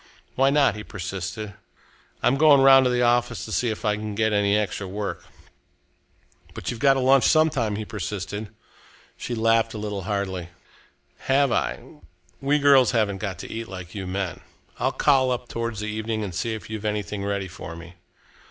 "Why not?" he persisted. "I'm going round to the office to see if I can get any extra work." "But you've got to lunch some time," he persisted. She laughed a little hardly. "Have I? We girls haven't got to eat like you men. I'll call up towards the evening and see if you've anything ready for me."